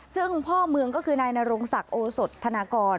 ซึ่งพ่อเมืองก็คือนายนรงศักดิ์โอสดธนากร